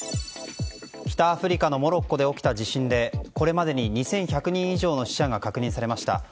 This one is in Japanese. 北アフリカのモロッコで起きた地震でこれまでに２１００人以上の死者が確認されました。